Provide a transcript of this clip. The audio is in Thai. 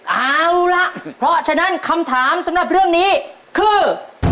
เอาล่ะเพราะฉะนั้นคำถามสำหรับเรื่องนี้คือ